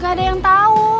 gak ada yang tau